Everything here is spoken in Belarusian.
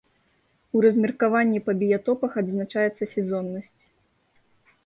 У размеркаванні па біятопах адзначаецца сезоннасць.